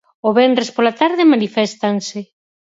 O venres pola tarde maniféstanse.